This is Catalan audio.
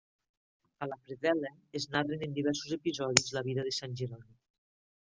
A la predel·la es narren en diversos episodis la vida de Sant Jeroni.